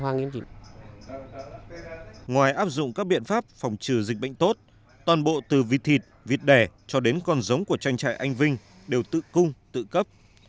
ngoài áp dụng các biện pháp phòng trừ dịch bệnh tốt toàn bộ từ vịt thịt vịt đẻ cho đến con giống của tranh trại anh vinh đều tự cung tự cấp